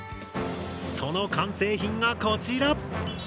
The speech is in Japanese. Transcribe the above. その完成品がこちら。